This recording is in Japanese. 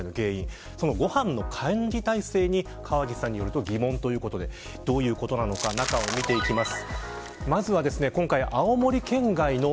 ご飯の管理体制に河岸さんによると疑問ということでどういうことなのか見ていきます。